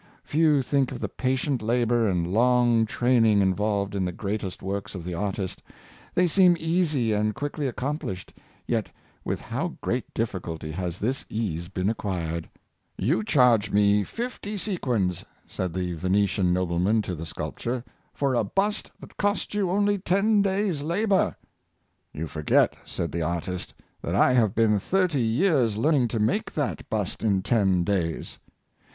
'' Few think of the patient labor and long training involved in the greatest works of the artist. They seem easy and quickly accomplished, yet with how great difficulty has this ease been acquired. " You charge me fifty se quins," said the Venetian nobleman to the sculptor, '' for a bust that cost you only ten days' labor." '' You for get," said the artist, " that I have been thirty years learning to make that bust in ten days."